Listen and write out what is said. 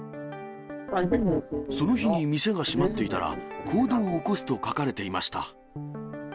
その日に店が閉まっていたら、行動を起こすと書かれていました。